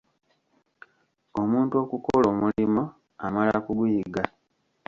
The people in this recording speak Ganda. Omuntu okukola omulimo, amala kuguyiga.